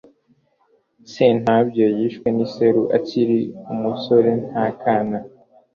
sentabyo yishwe n'iseru akiri umusore nta kana